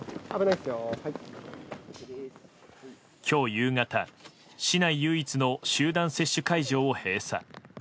今日夕方市内唯一の集団接種会場を閉鎖。